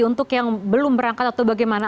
untuk yang belum berangkat atau bagaimana